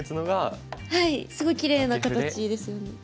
はいすごいきれいな形ですよね。